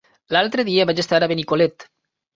L'altre dia vaig estar a Benicolet.